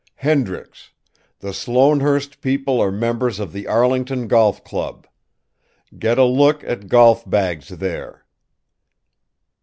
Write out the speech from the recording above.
"Hendricks: the Sloanehurst people are members of the Arlington Golf Club. Get a look at golf bags there.